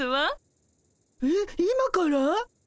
えっ今から？